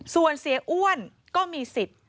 ส่วนเสียอ้วนก็มีสิทธิ์